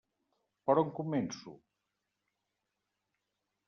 Per on començo?